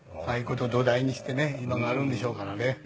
ああいう事を土台にしてね今があるんでしょうからね。